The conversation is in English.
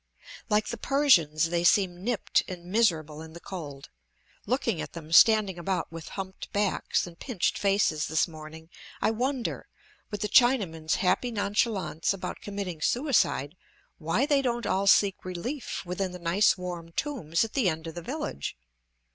Like the Persians, they seem nipped and miserable in the cold; looking at them, standing about with humped backs and pinched faces this morning, I wonder, with the Chinaman's happy nonchalance about committing suicide, why they don't all seek relief within the nice warm tombs at the end of the village.